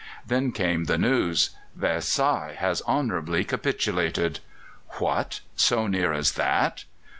Then came the news, "Versailles has honourably capitulated." What! so near as that!